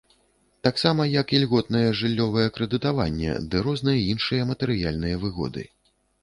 Таксама, як ільготнае жыллёвае крэдытаванне ды розныя іншыя матэрыяльныя выгоды.